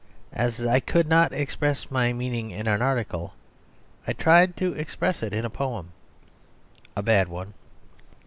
As I could not express my meaning in an article, I tried to express it in a poem a bad one.